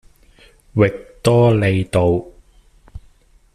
域多利道